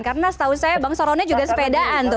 karena setahu saya bang saroni juga sepedaan tuh